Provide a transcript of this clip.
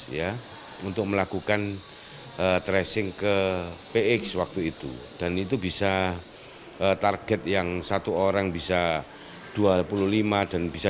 ya untuk melakukan tracing ke px waktu itu dan itu bisa target yang satu orang bisa dua puluh lima dan bisa